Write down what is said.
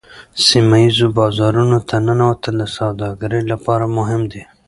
سیمه ایزو بازارونو ته ننوتل د سوداګرۍ لپاره مهم دي